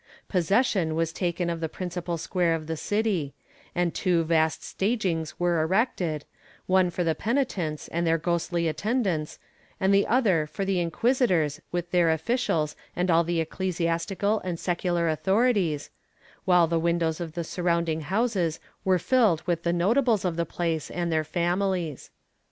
Possession was taken of the principal square of the city, and two vast stagings were erected, one for the penitents and their ghostly attendants, and the other for the inquisitors with their officials and all the ecclesiastical and secular authorities, while the windows of the surrounding houses were filled with the notables of the place and their families.